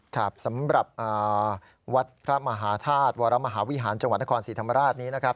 ครับสำหรับวัดพระมหาธาตุวรมหาวิหารจังหวัดนครศรีธรรมราชนี้นะครับ